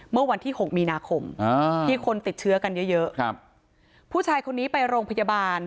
เมื่อวันที่๖มีนาคมที่คนติดเชื้อกันเยอะผู้ชายคนนี้ไปโรงพยาบาล